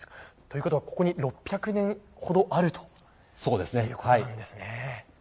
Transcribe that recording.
ここに６００年ほどあるということなんですね。